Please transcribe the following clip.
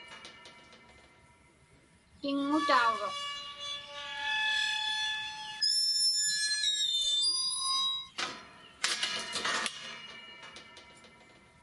Tiŋŋutauruq.